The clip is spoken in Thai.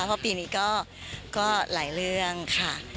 เพราะปีนี้ก็หลายเรื่องค่ะ